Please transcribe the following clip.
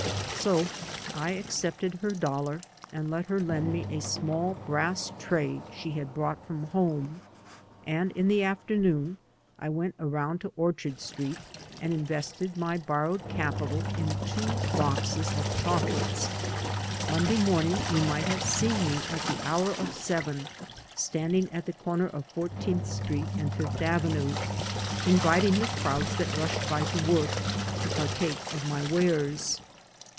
So I accepted her dollar, and let her lend me a small brass tray she had brought from home; and in the afternoon I went around to Orchard Street and invested my borrowed capital in two boxes of chocolates. Monday morning you might have seen me at the hour of seven standing at the comer of Fourteenth Street and Fifth Avenue, inviting the crowds that rushed by to work to partake of my wares.